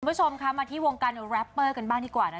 คุณผู้ชมคะมาที่วงการแรปเปอร์กันบ้างดีกว่านะ